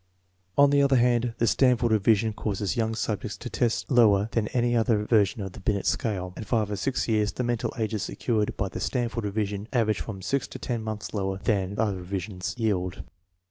On the other hand,$he Stanford revision causes young subjects to test lower than any other version of the Binet scale. At 5 or 6 years the mental ages secured by the Stan ford revision average from 6 to 10 months lower than other revisions yield.